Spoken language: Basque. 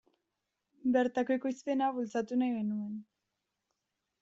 Bertako ekoizpena bultzatu nahi genuen.